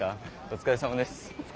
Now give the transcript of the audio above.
お疲れさんどす。